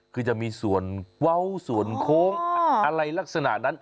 คือจะมีส่วนเว้าส่วนโค้งอะไรลักษณะนั้น